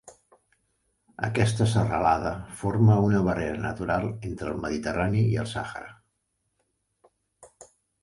Aquesta serralada forma una barrera natural entre el Mediterrani i el Sàhara.